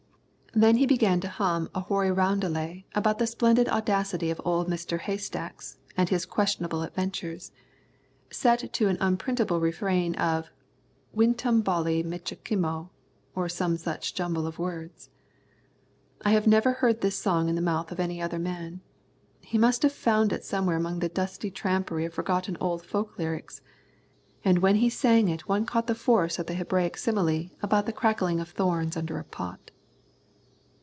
Then he began to hum a hoary roundelay about the splendid audacity of old Mister Haystack and his questionable adventures, set to an unprintable refrain of "Winktum bolly mitch a kimo," or some such jumble of words. I have never heard this song in the mouth of any other man. He must have found it somewhere among the dusty trumpery of forgotten old folk lyrics, and when he sang it one caught the force of the Hebraic simile about the crackling of thorns under a pot.